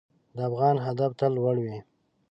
د افغان هدف تل لوړ وي.